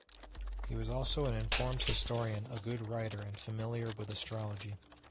He was also an informed historian, a good writer and familiar with astrology.